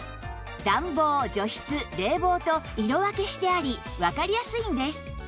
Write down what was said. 暖房除湿冷房と色分けしてありわかりやすいんです